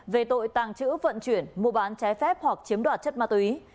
về tội tàng trữ vận chuyển mua bán trái phép hoặc chiếm đoạt chất ma túy